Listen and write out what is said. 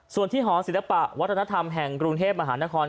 ส่วนที่หอศิลปะวัฒนธรรมแห่งกรุงเทพมหานคร